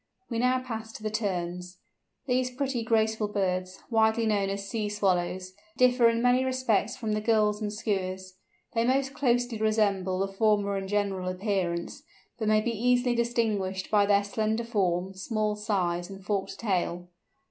We now pass to the Terns. These pretty graceful birds—widely known as "Sea Swallows"—differ in many respects from the Gulls and Skuas. They most closely resemble the former in general appearance, but may be easily distinguished by their slender form, small size, and forked tail.